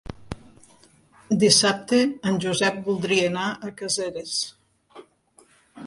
Dissabte en Josep voldria anar a Caseres.